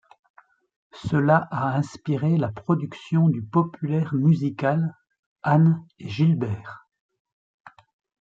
Cela a inspiré la production du populaire musical, Anne et Gilbert.